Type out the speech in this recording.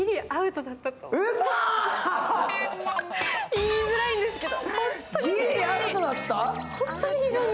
言いづらいんですけど。